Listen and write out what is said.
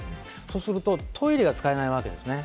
そうするとトイレが使えないわけですね。